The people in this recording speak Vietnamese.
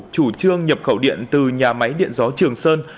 chủ trương nhập khẩu điện từ nhà máy điện gió trường sơn